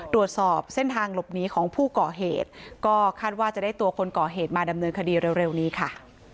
ตรวจสอบเส้นทางหลบหนีของผู้ก่อเหตุก็คาดว่าจะได้ตัวคนก่อเหตุมาดำเนินคดีเร็วนี้ค่ะ